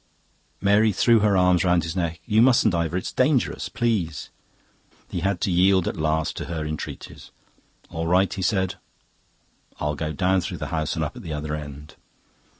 Mary threw her arms round his neck. "You mustn't, Ivor. It's dangerous. Please." He had to yield at last to her entreaties. "All right," he said, "I'll go down through the house and up at the other end."